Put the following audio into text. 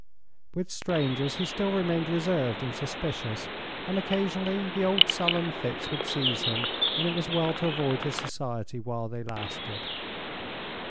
With strangers he still remained reserved and suspicious, and occasionally the old sullen fits would seize him and it was well to avoid his society while they lasted.